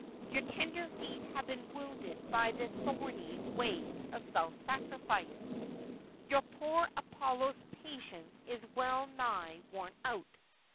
Your tender feet have been wounded by the thorny ways of self sacrifice. Your poor Apollo's patience is well nigh worn out.